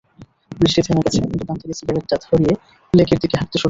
বৃষ্টি থেমে গেছে, দোকান থেকে সিগারেটটা ধরিয়ে লেকের দিকে হাঁটতে শুরু করে অনি।